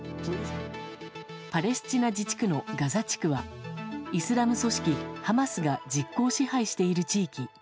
パレスチナ自治区のガザ地区はイスラム組織ハマスが実効支配している地域。